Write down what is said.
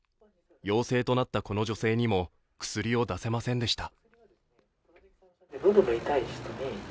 陽性となったこの女性にも薬を出せませんでした。